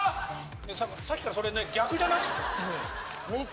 さっきからそれ逆じゃない？